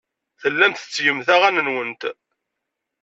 Tellamt tettgemt aɣan-nwent.